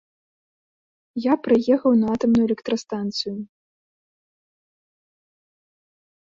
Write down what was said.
Я прыехаў на атамную электрастанцыю.